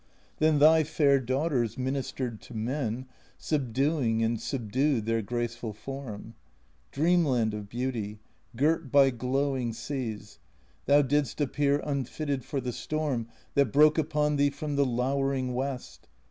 Then thy fair daughters ministered to men, Subduing and subdued their graceful form. Dreamland of Beauty, girt by glowing seas ! Thou didst appear unfitted for the storm That broke upon thee from the lowering West.